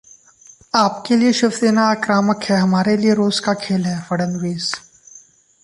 आपके लिए शिवसेना आक्रामक है, हमारे लिए रोज का खेल हैः फडणवीस